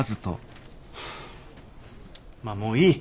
まあもういい。